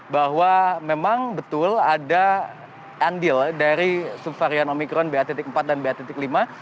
bahwa memang betul ada andil dari subvarian omikron ba empat dan ba lima